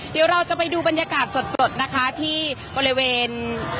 เดี๋ยวเราจะไปดูบรรยากาศสดนะคะที่บริเวณ